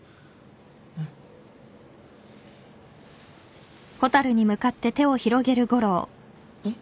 うん。えっ？